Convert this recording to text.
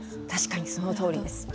確かにそのとおりです。